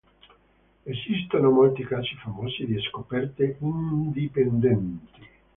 Esistono molti casi famosi di scoperte indipendenti.